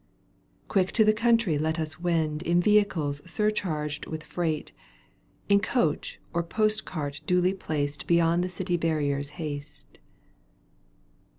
Quick to the country let us wend In vehicles surcharged with freight ; In coach or post cart duly placed Beyond the city barriers haste.